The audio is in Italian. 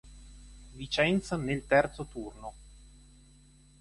Vicenza nel terzo turno.